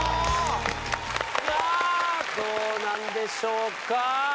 さぁどうなんでしょうか？